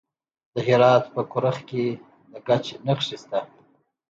د هرات په کرخ کې د ګچ نښې شته.